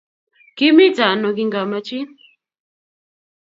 Kimite ano kingamachin